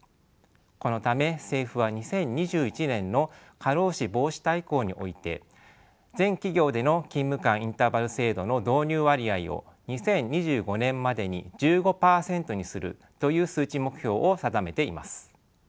このため政府は２０２１年の過労死防止大綱において全企業での勤務間インターバル制度の導入割合を２０２５年までに１５％にするという数値目標を定めています。